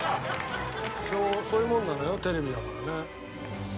そういうもんなのよテレビだからね。